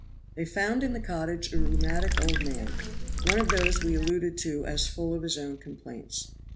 They found in the cottage a rheumatic old man, one of those we alluded to as full of his own complaints.